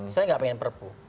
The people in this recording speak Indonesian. saya nggak pengen perpu